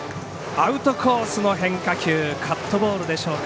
アウトコースの変化球カットボールでしょうか。